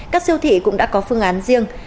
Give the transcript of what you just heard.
các siêu thị cũng đã có phương án riêng